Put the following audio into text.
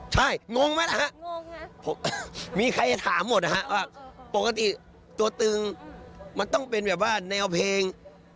ใช่งงไหมนะฮะงงมีใครจะถามหมดนะฮะว่าปกติตัวตึงมันต้องเป็นแบบว่าแนวเพลง